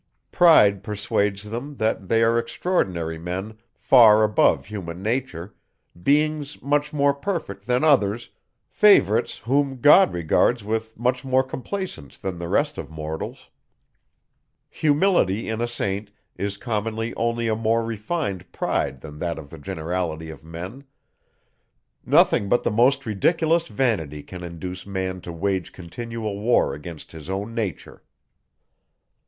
Pride persuades them, that they are extraordinary men far above human nature, beings much more perfect than others, favourites whom God regards with much more complaisance than the rest of mortals. Humility, in a Saint, is commonly only a more refined pride than that of the generality of men. Nothing but the most ridiculous vanity can induce man to wage continual war against his own nature.